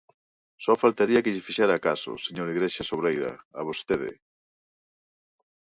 ¡Só faltaría que lle fixera caso, señor Igrexa Solbeira, a vostede!